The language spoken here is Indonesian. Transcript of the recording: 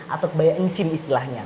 atau kebaya encim istilahnya